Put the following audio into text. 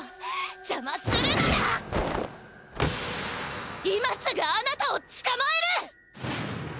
邪魔するなら今すぐあなたを捕まえる！